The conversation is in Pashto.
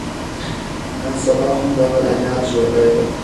نن سبا هم د هغه ياد ژوندی دی.